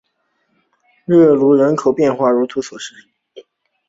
热讷伊人口变化图示